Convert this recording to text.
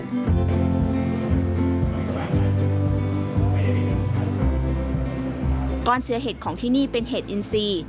ก้อนเชื้อเห็ดของที่นี่เป็นเห็ดอินซี